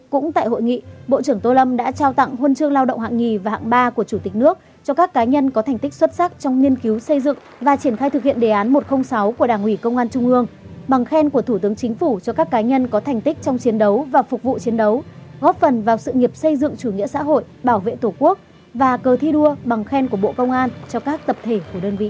cũng tại hội nghị bộ trưởng tô lâm đã trao tặng huân chương lao động hạng hai và hạng ba của chủ tịch nước cho các cá nhân có thành tích xuất sắc trong nghiên cứu xây dựng và triển khai thực hiện đề án một trăm linh sáu của đảng ủy công an trung ương bằng khen của thủ tướng chính phủ cho các cá nhân có thành tích trong chiến đấu và phục vụ chiến đấu góp phần vào sự nghiệp xây dựng chủ nghĩa xã hội bảo vệ tổ quốc và cờ thi đua bằng khen của bộ công an cho các tập thể của đơn vị